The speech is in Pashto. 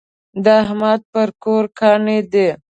د احمد پر کور کاڼی دی.